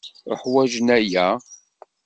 Uḥwaǧen aya.